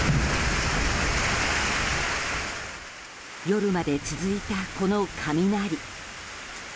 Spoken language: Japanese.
夜まで続いた、この雷。